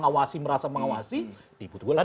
ngawasi merasa mengawasi dibutuhkan